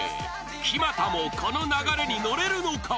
［木全もこの流れに乗れるのか？］